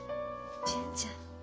純ちゃん。